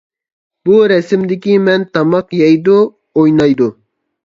بۇ رەسىمدىكى مەن تاماق يەيدۇ، ئوينايدۇ.